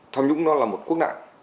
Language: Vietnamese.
tham nhũng nó là một quốc nạn